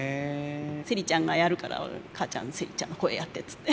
「セリちゃんがやるから母ちゃんセリちゃんの声やって」っつって。